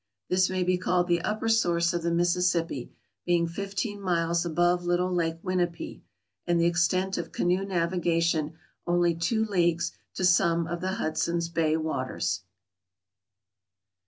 This may be called the upper source of the Mississippi, being fifteen miles above little Lake Winipie, and the extent of canoe navigation only two leagues to some of the Hudson's Bay waters.